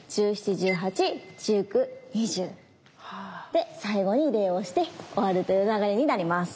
１７１８１９２０で最後に礼をして終わるという流れになります。